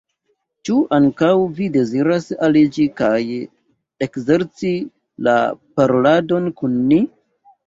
Ĉu ankaŭ vi deziras aliĝi kaj ekzerci la paroladon kun ni?